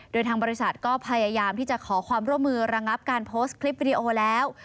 โดยทางบริษัทก็พยายามที่จะขอความร่วมมือระงับการโพสต์คลิปวิดีโอแล้ว